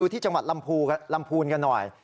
ที่จังหวัดลำพูนกันหน่อย